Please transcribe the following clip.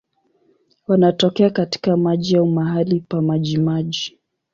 Wanatokea katika maji au mahali pa majimaji.